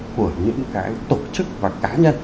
của những cái tổ chức và cá nhân